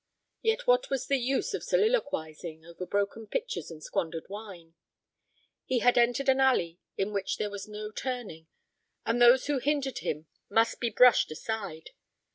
Yet what was the use of soliloquizing over broken pitchers and squandered wine? He had entered an alley in which there was no turning, and those who hindered him must be brushed aside.